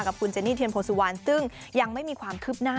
กับคุณเจนี่เทียนโพสุวรรณซึ่งยังไม่มีความคืบหน้า